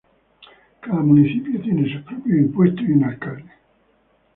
Cada municipio tiene sus propios impuestos y un alcalde.